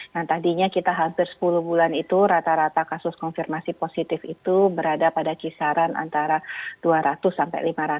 nah tadinya kita hampir sepuluh bulan itu rata rata kasus konfirmasi positif itu berada pada kisaran antara dua ratus sampai lima ratus